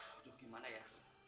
aduh gimana ya